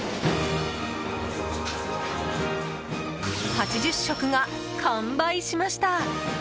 ８０食が完売しました。